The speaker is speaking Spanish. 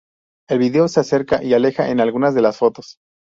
El vídeo se acerca y aleja en algunas de las fotos.